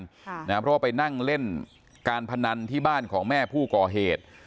เพราะว่าไปนั่งเล่นการพนันที่บ้านของแม่ผู้ก่อเหตุ